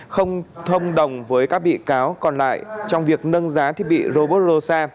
không thông đồng với các bị cáo còn lại trong việc nâng giá thiết bị robot rosa